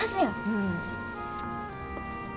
うん。